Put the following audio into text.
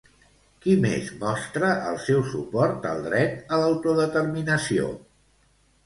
Qui més mostra el seu suport al dret a l'autodeterminació?